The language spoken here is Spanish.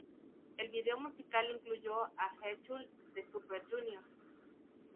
El vídeo musical incluyó a Heechul de Super Junior.